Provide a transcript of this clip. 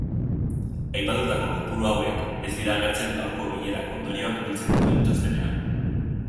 Aipatutako kopuru hauek ez dira agertzen gaurko bilerako ondorioak biltzen dituen txostenean.